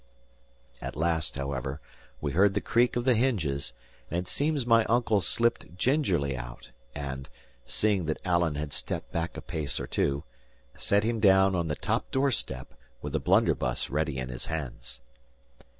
At last, however, we heard the creak of the hinges, and it seems my uncle slipped gingerly out and (seeing that Alan had stepped back a pace or two) sate him down on the top doorstep with the blunderbuss ready in his hands.